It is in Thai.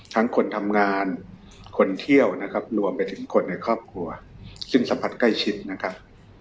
คนทำงานคนเที่ยวนะครับรวมไปถึงคนในครอบครัวซึ่งสัมผัสใกล้ชิดนะครับ